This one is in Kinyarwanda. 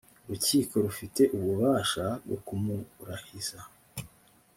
urukiko rufite ububasha bwokumurahiza.